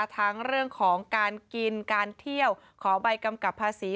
ทั้งเรื่องของการกินการเที่ยวขอใบกำกับภาษี